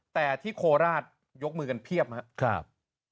แต่ที่โคราชยกมือกันเพียบครับ